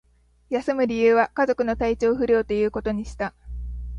休む理由は、家族の体調不良ということにした